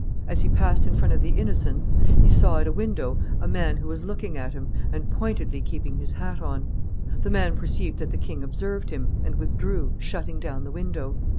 As he passed in front of the Innocents, he saw at a window a man who was looking at him, and pointedly keeping his hat on; the man perceived that the king' observed him, and withdrew, shutting down the window.